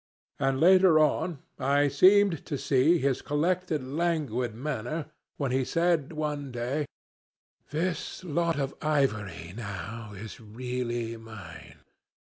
And later on I seemed to see his collected languid manner, when he said one day, 'This lot of ivory now is really mine.